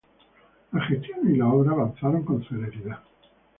Las gestiones y las obras avanzaron con celeridad.